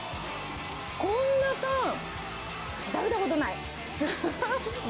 こんなタン、食べたことない。